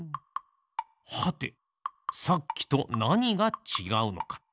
はてさっきとなにがちがうのか。